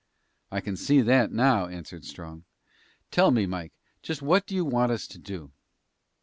"I can see that now," answered Strong. "Tell me, Mike, just what do you want us to do?"